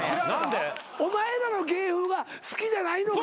お前らの芸風が好きじゃないのか。